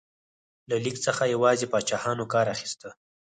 له لیک څخه یوازې پاچاهانو کار اخیسته.